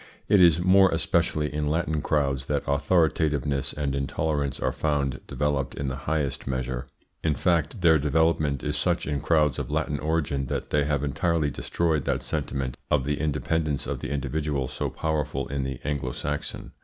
It is more especially in Latin crowds that authoritativeness and intolerance are found developed in the highest measure. In fact, their development is such in crowds of Latin origin that they have entirely destroyed that sentiment of the independence of the individual so powerful in the Anglo Saxon.